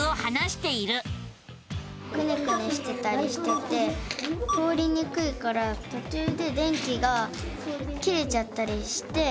くねくねしてたりしてて通りにくいからとちゅうで電気が切れちゃったりして。